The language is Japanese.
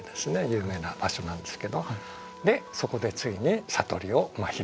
有名な場所なんですけどそこでついに悟りを開いたわけですね。